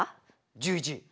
１１。